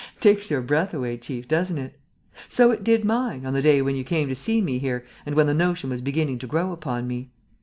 "Takes your breath away, chief, doesn't it? So it did mine, on the day when you came to see me here and when the notion was beginning to grow upon me.